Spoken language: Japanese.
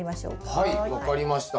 はい分かりました。